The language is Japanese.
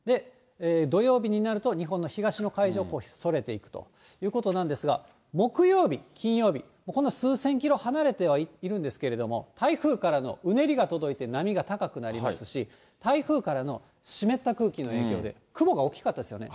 土曜日になると、日本の東の海上へそれていくということなんですが、木曜日、金曜日、こんな数千キロ離れてはいるんですけれども、台風からのうねりが届いて波が高くなりますし、台風からの湿った空気の影響で、雲が大きかったですよね。